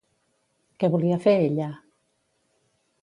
Què volia fer ella?